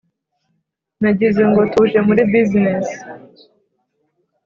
nagize ngo tuje muri business?